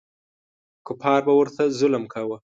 کفار به ورته ظلم کاوه.